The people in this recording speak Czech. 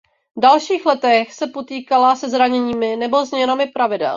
V dalších letech se potýkala se zraněními nebo změnami pravidel.